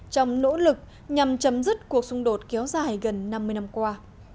trong nỗ lực nhằm chấm dứt cuộc xung đột kéo dài gần năm mươi năm qua